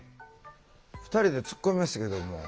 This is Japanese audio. ２人でツッコみましたけども。